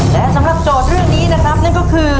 และสำหรับโจทย์เรื่องนี้นะครับนั่นก็คือ